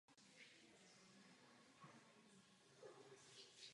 Ve stejné době spolupracoval se zpěvákem Paulem Simonem na písni „Stranger“.